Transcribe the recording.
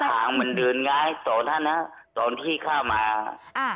ทางมันเดินง่ายต่อท่านนะตอนที่เข้ามาอ่า